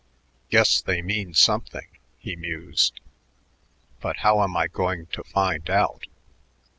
"Guess they mean something," he mused, "but how am I going to find out?"